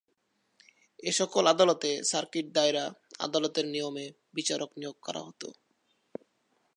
এসকল আদালতে সার্কিট দায়রা আদালতের নিয়মে বিচারক নিয়োগ করা হতো।